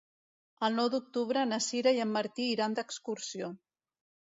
El nou d'octubre na Sira i en Martí iran d'excursió.